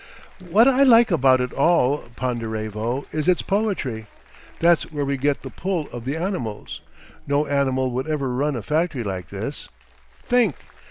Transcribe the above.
"What I like about it all, Ponderevo, is its poetry.... That's where we get the pull of the animals. No animal would ever run a factory like this. Think!...